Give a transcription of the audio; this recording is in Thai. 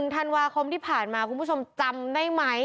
ธันวาคมที่ผ่านมาคุณผู้ชมจำได้ไหม